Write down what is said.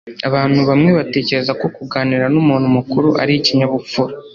Abantu bamwe batekereza ko kuganira numuntu mukuru ari ikinyabupfura.